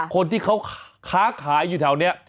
คนที่เขาค้าขายอยู่แถวนี้